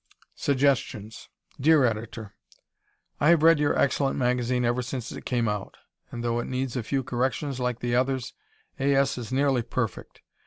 Suggestions Dear Editor: I have read your excellent magazine ever since it came out, and though it needs a few corrections like the others, A. S. is nearly perfect.